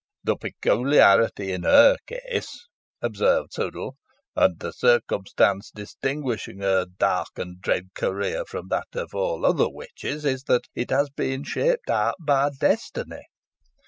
"The peculiarity in her case," observed Sudall, "and the circumstance distinguishing her dark and dread career from that of all other witches is, that it has been shaped out by destiny.